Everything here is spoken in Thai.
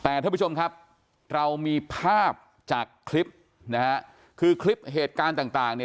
แต่ท่านผู้ชมครับเรามีภาพจากคลิปนะฮะคือคลิปเหตุการณ์ต่างต่างเนี่ย